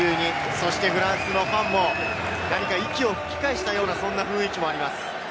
そして、フランスのファンも何か息を吹き返したような雰囲気もあります。